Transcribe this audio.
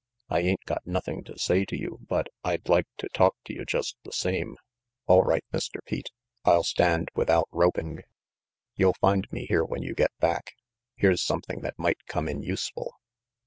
I ain't got nothing to say to you but I'd like to talk to you just the same." "All right, Mr. Pete. I'll stand without roping. You'll find me here when you get back. Here's something that might come in useful."